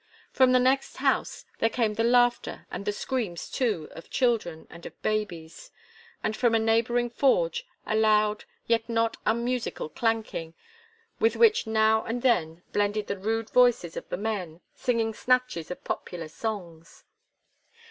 From the next house, there came the laughter and the screams too of children, and of babies; and from a neighbouring forge, a loud, yet not unmusical clanking, with which now and then, blended the rude voices of the men, singing snatches of popular songs.